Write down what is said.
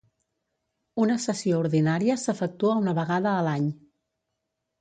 Una sessió ordinària s'efectua una vegada a l'any.